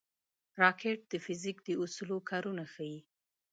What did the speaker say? راکټ د فزیک د اصولو کارونه ښيي